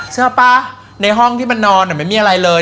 เชื่อป่ะในห้องที่มันนอนไม่มีอะไรเลย